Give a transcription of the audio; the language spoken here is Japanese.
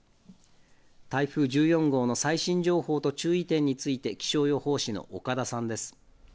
台風１４号の最新情報と注意点について気象予報士の岡田さんです。